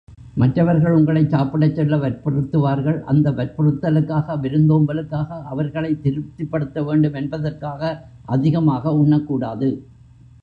மற்றவர்கள் உங்களை சாப்பிடச் சொல்ல வற்புறுத்துவார்கள், அந்த வற்புறுத்தலுக்காக, விருந்தோம்பலுக்காக, அவர்களை திருப்திப்படுத்தவேண்டும் என்பதற்காக, அதிகமாக உண்ணக்கூடாது.